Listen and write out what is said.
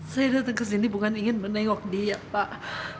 saya datang kesni bukan ingin men dialog dia pak